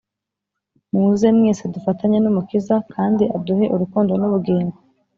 Muze mwesedufatanye N'Umukiza, kand' aduhe Urukundo n'ubugingo.